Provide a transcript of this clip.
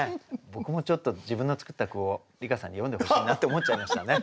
僕もちょっと自分の作った句を梨香さんに読んでほしいなって思っちゃいましたね。